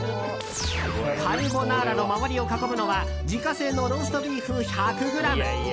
カルボナーラの周りを囲むのは自家製のローストビーフ１００ｇ。